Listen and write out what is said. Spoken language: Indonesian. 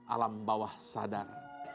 alam bawah sadar